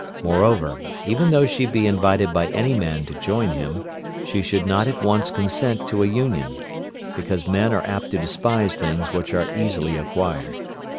Moreover, even though she be invited by any man to join him, she should not at once consent to an union, because men are apt to despise things which are easily acquired.